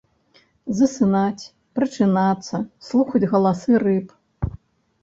Засынаць, прачынацца, слухаць галасы рыб.